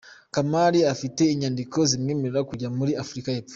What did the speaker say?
Kamali afite inyandiko zimwemerera kujya muri Afurika y'epfo.